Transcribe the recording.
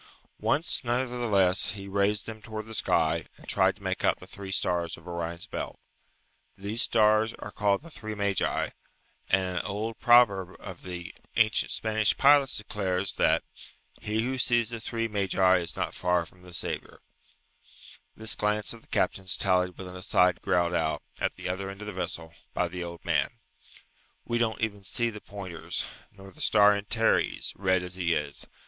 Once nevertheless he raised them towards the sky, and tried to make out the three stars of Orion's belt. These stars are called the three magi, and an old proverb of the ancient Spanish pilots declares that, "He who sees the three magi is not far from the Saviour." This glance of the captain's tallied with an aside growled out, at the other end of the vessel, by the old man, "We don't even see the pointers, nor the star Antares, red as he is.